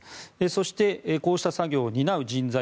そして、こうした作業を担う人材